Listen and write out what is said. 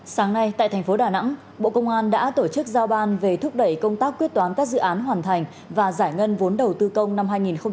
sáng nay tại thành phố đà nẵng bộ công an đã tổ chức giao ban về thúc đẩy công tác quyết toán các dự án hoàn thành và giải ngân vốn đầu tư công năm hai nghìn một mươi tám